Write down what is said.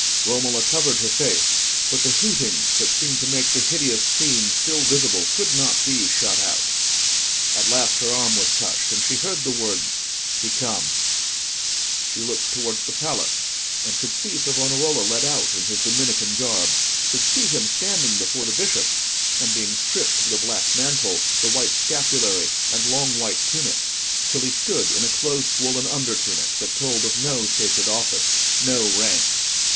Romola covered her face, but the hootings that seemed to make the hideous scene still visible could not be shut out. At last her arm was touched, and she heard the words, "He comes." She looked towards the Palace, and could see Savonarola led out in his Dominican garb; could see him standing before the Bishop, and being stripped of the black mantle, the white scapulary and long white tunic, till he stood in a close woollen under tunic, that told of no sacred office, no rank.